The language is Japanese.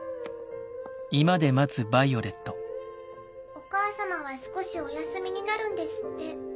お母様は少しお休みになるんですって。